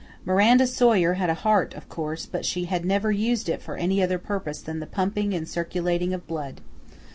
Miranda Sawyer had a heart, of course, but she had never used it for any other purpose than the pumping and circulating of blood.